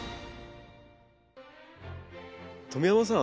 富山さん